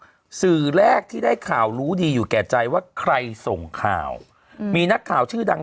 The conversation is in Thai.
คือสื่อแรกที่ได้ข่าวรู้ดีอยู่แก่ใจว่าใครส่งข่าวมีนักข่าวชื่อดัง